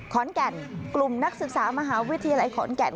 ขอนแก่นกลุ่มนักศึกษามหาวิทยาลัยขอนแก่น